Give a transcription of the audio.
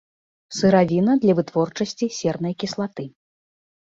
Сыравіна для вытворчасці сернай кіслаты.